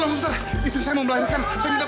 mas apa tidak cukup